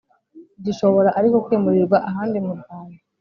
Gishobora ariko kwimurirwa ahandi mu Rwanda